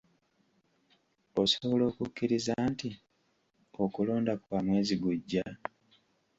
Osobola okukkiriza nti okulonda kwa mwezi gujja?